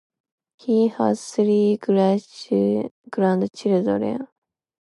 He has three grandchildren.